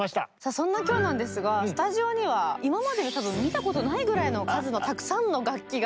そんな今日なんですがスタジオには今までに多分見たことないぐらいの数のたくさんの楽器が。